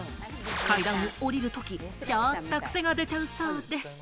階段を降りるとき、ちょっとクセが出ちゃうそうです。